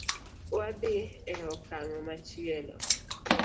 Wadhi e okang’ machielo